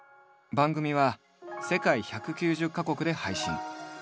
番組は世界１９０か国で配信。